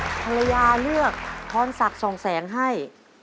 ภรรยาเลือกทอดมันหนอกลาพรสะส่องแสงให้